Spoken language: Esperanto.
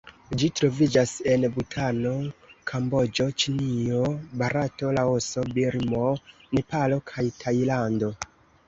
Ĝi troviĝas en Butano, Kamboĝo, Ĉinio, Barato, Laoso, Birmo, Nepalo, kaj Tajlando.